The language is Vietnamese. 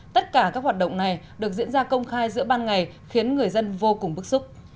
tất cả các hoạt động này được diễn ra công khai giữa ban ngày khiến người dân vô cùng bức xúc